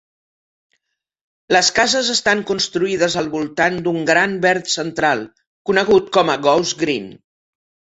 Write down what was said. Les cases estan construïdes al voltant d'un gran verd central, conegut com a Goosegreen.